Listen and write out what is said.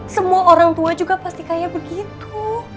semua orang tua juga pasti kaya begitu